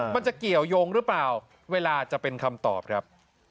มันจะเกี่ยวยงหรือเปล่าเวลาจะเป็นคำตอบครับ